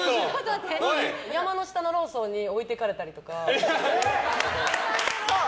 山の下のローソンに置いてかれたりとか。